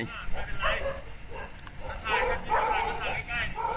ผมเล่นโทรศัพท์